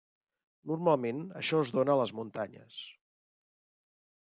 Normalment això es dóna a les muntanyes.